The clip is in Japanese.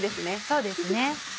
そうですね。